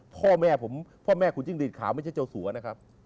พ่อแม่ของผมพ่อแม่ของขุนจิ้งรีดขาวไม่ใช่เจ้าสัวร์นะครับ